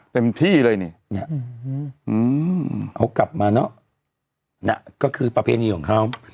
เต็มที่เลยนี่เขากลับมาเนอะน่ะก็คือประเภทนี้ของเขา